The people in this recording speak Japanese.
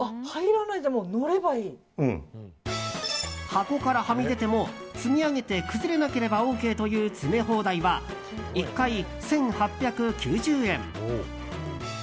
箱からはみ出ても、積み上げて崩れなければＯＫという詰め放題は１回１８９０円。